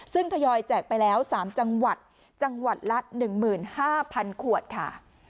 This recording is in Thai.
ซึ่งทยอยแจกไปแล้ว๓จังหวัดจังหวัดละ๑๕๐๐๐ขวดค่ะ